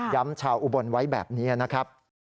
ชาวอุบลไว้แบบนี้นะครับ